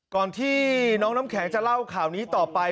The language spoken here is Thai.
ก่อนที่น้องน้ำแข็งจะเล่าข่าวนี้ต่อไป